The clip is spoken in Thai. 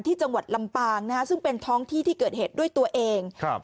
จังหวัดลำปางนะฮะซึ่งเป็นท้องที่ที่เกิดเหตุด้วยตัวเองครับ